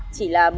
chỉ là một